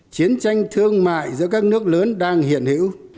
chiến tranh thương mại giữa các nước lớn đang hiện hữu